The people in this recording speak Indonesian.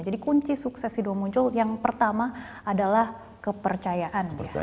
jadi kunci sukses sido muncul yang pertama adalah kepercayaan